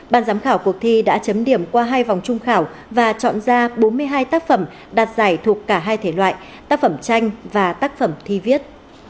ban giám khảo cuộc thi đã chấm điểm qua hai vòng trung khảo và chọn ra bốn mươi hai tác phẩm đạt giải thuộc cả hai thể loại tác phẩm tranh và tác phẩm thi viết